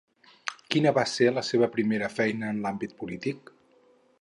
Quina va ser la seva primera feina en l'àmbit polític?